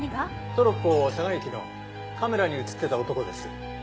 トロッコ嵯峨駅のカメラに映ってた男です。